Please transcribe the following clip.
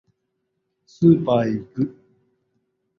スーパーへ行く